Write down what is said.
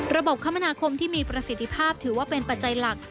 คมนาคมที่มีประสิทธิภาพถือว่าเป็นปัจจัยหลัก